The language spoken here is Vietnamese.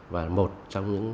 và một trong những